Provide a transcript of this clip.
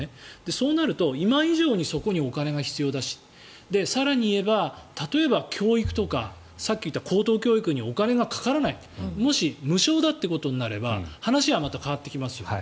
となると今以上にそこにお金が必要だし更に言えば、例えば教育とかさっき言った高等教育にお金がかからないもし無償だってことになれば話はまた変わってきますよ。